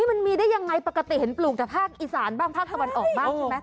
มันมีได้ยังไงปกติเห็นปลูกจากภาคอีสานบ้างภาคตะวันออกบ้างใช่ไหม